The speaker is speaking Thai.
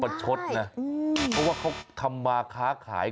เพราะว่าเขาทำมาค้าขาย